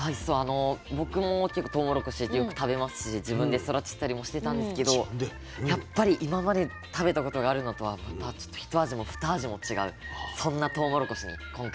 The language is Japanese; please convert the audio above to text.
僕も結構とうもろこしってよく食べますし自分で育ててたりもしてたんですけどやっぱり今まで食べたことがあるのとはまたひと味もふた味も違うそんなとうもろこしに今回は出会いましたね。